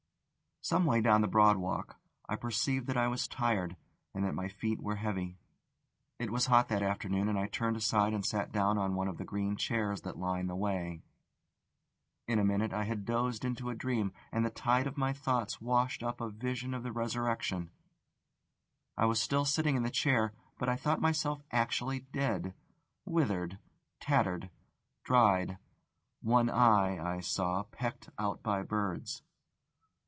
Some way down the Broad Walk I perceived that I was tired, and that my feet were heavy. It was hot that afternoon, and I turned aside and sat down on one of the green chairs that line the way. In a minute I had dozed into a dream, and the tide of my thoughts washed up a vision of the resurrection. I was still sitting in the chair, but I thought myself actually dead, withered, tattered, dried, one eye (I saw) pecked out by birds.